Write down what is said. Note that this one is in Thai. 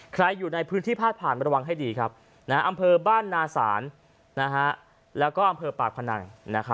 ใครอยู่ในพื้นที่พลาดผ่านระวังให้ดีอำเภอบ้านนาศาลและอำเภอปากพนัง